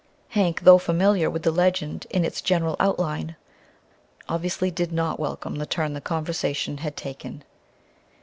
Hank, though familiar with the legend in its general outline, obviously did not welcome the turn the conversation had taken.